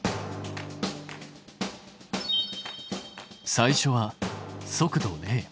最初は速度０。